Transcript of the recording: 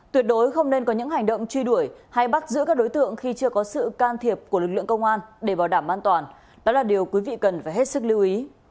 tuyệt đối không nên có những hành động truy đuổi hay bắt giữ các đối tượng khi chưa có sự can thiệp của lực lượng công an để bảo đảm an toàn đó là điều quý vị cần phải hết sức lưu ý